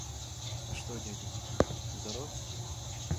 А что дядя? здоров?